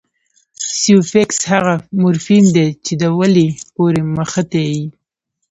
سوفیکس هغه مورفیم دئ، چي د ولي پوري مښتي يي.